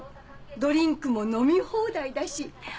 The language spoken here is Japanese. ドリンクも飲み放題だし。